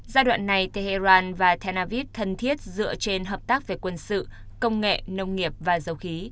giai đoạn này tehran và tel aviv thân thiết dựa trên hợp tác về quân sự công nghệ nông nghiệp và dầu khí